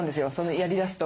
やりだすと。